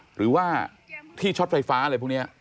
หรือว่าที่ช็อตไฟฟ้าอะไรพวกนี้